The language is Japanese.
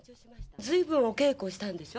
ずいぶんお稽古したんでしょ？